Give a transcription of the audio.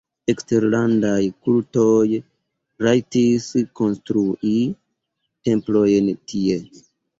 Eksterlandaj kultoj rajtis konstrui templojn tie.